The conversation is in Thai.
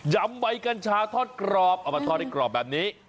ำใบกัญชาทอดกรอบเอามาทอดในกรอบแบบนี้